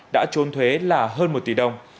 đã trốn thuế là hơn một tỷ đồng